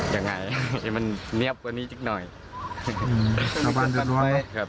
ยังไงให้มันเนี๊ยบกว่านี้นิดหน่อยอืมชาวบ้านเดือดร้อนครับ